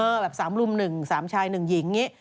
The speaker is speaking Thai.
เออแบบ๓รุ่มหนึ่ง๓ชาย๑หญิงอย่างนี้